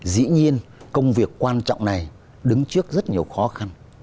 dĩ nhiên công việc quan trọng này đứng trước rất nhiều khó khăn